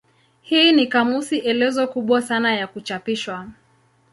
Hii ni kamusi elezo kubwa sana ya kuchapishwa.